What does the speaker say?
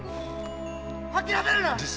諦めるな！